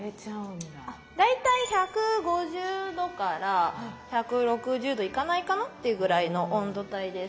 大体１５０１６０℃いかないかなっていうぐらいの温度帯です。